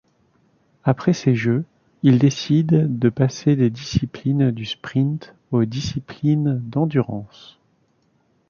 Après ces Jeux, il décide de passer des disciplines du sprint aux disciplines d'endurance.